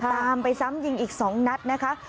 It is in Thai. ตามไปซ้ำยิงอีก๒นัดนะคะ